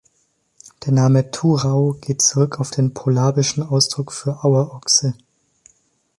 Der Name Thurau geht zurück auf den polabischen Ausdruck für Auerochse.